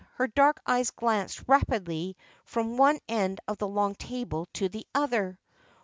Her dark eyes glanced rapidly from one end of the long table to the other.